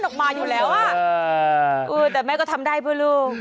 แต่แม่ก็ทำได้เพื่อลูก